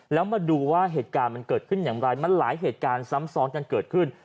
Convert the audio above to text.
แล้วมาดูว่าเหตุการณ์มันเกิดขึ้นอย่างไรมันหลายเหตุการณ์ซ้ำซ้อนกันเกิดขึ้น